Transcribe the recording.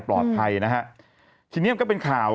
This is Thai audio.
ปลอดภัยนะฮะทีนี้มันก็เป็นข่าว